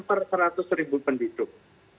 per seratus ribu penduduk